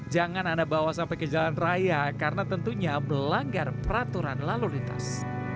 jangan anda bawa sampai ke jalan raya karena tentunya melanggar peraturan lalu lintas